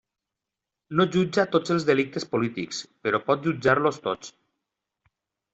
No jutja tots els delictes polítics, però pot jutjar-los tots.